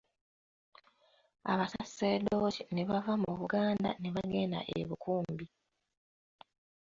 Abasaserdoti ne bava mu Buganda ne bagenda e Bukumbi.